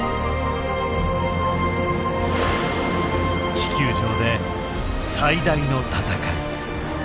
地球上で最大の闘い。